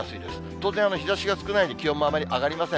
当然、日ざしが少ないので気温もあまり上がりません。